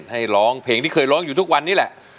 ให้ร้องเพลงที่เคยร้องอยู่ทุกวันนี้แหละ